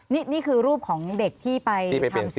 นี่คือรูปของเด็กที่ไปทำสิท